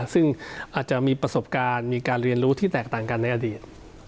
ซึ่งอาจจะมีประสบการณ์มีการเรียนรู้ที่แตกต่างกันในอดีต